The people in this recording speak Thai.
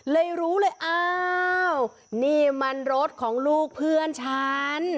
รู้เลยอ้าวนี่มันรถของลูกเพื่อนฉัน